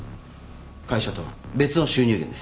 会社とは別の収入源です。